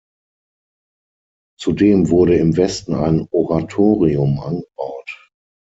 Zudem wurde im Westen ein Oratorium angebaut.